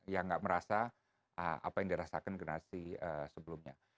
yang gak merasa apa yang dirasakan generasi sebelumnya